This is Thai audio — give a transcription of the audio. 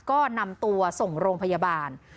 ก็นำตัวส่งโรงพยาบาล